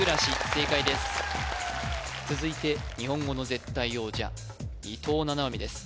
正解です続いて日本語の絶対王者伊藤七海です